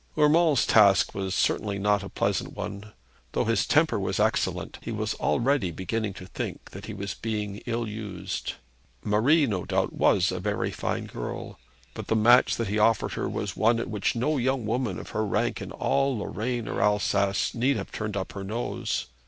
Urmand's task was certainly not a pleasant one. Though his temper was excellent, he was already beginning to think that he was being ill used. Marie, no doubt, was a very fine girl, but the match that he offered her was one at which no young woman of her rank in all Lorraine or Alsace need have turned up her nose.